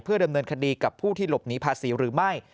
ดำเนินคดีกับผู้ที่หลบหนีภาษีหรือไม่